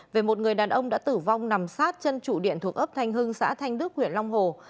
về một người đàn ông đã tử vong nằm sát chân trụ điện thuộc ấp thanh hưng xã thanh đức huyện long hồ